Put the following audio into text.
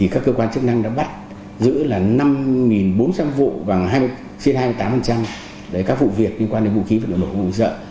chức năng đã bắt giữ là năm bốn trăm linh vụ và xuyên hai mươi tám các vụ việc liên quan đến vũ khí vận động nổ vụ sợ